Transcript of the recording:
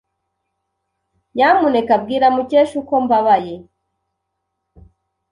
Nyamuneka bwira Mukesha uko mbabaye.